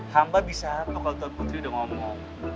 hamba bisa kalau tuan putri udah ngomong